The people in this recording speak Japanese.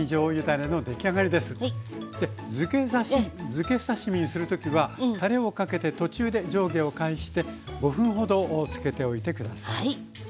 づけ刺身にする時はたれをかけて途中で上下を返して５分ほどつけておいて下さい。